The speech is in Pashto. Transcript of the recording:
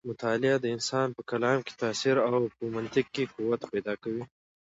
مطالعه د انسان په کلام کې تاثیر او په منطق کې قوت پیدا کوي.